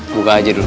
buka aja dulu